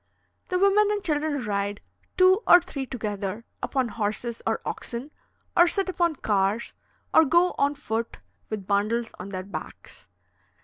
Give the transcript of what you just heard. The women and children ride, two or three together, upon horses or oxen, or sit upon cars, or go on foot with bundles on their backs.